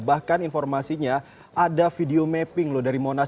bahkan informasinya ada video mapping loh dari monas